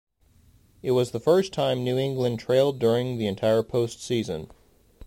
It was the first time New England trailed during the entire postseason.